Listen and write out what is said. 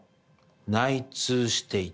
内通していた。